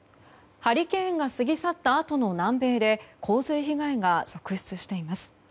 ハリケーンが過ぎ去ったあとの南米で洪水被害が続出しています。